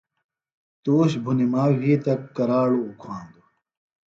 تُوش بُھنِما وھی تہ کراڑوۡ اُکھاندوۡ